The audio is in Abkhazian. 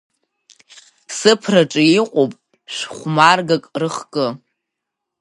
Сыԥраҿы иҟоуп шә-хәмаргак рыхкы.